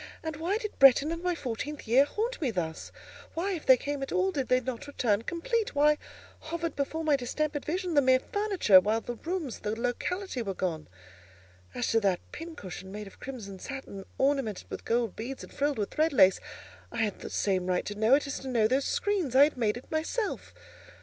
And why did Bretton and my fourteenth year haunt me thus? Why, if they came at all, did they not return complete? Why hovered before my distempered vision the mere furniture, while the rooms and the locality were gone? As to that pincushion made of crimson satin, ornamented with gold beads and frilled with thread lace, I had the same right to know it as to know the screens—I had made it myself.